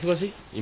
今。